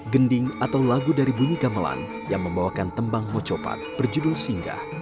gending atau lagu dari bunyi gamelan yang membawakan tembang mocopat berjudul singgah